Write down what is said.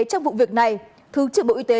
trong vụ việc này thứ trưởng bộ y tế